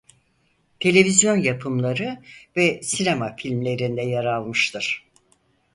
Televizyon yapımları ve sinema filmlerinde yer almıştır.